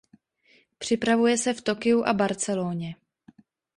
Připravuje se v Tokiu a Barceloně.